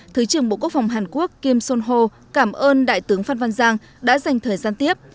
thứ trưởng bộ quốc phòng hàn quốc kim son ho cảm ơn đại tướng phan văn giang đã dành thời gian tiếp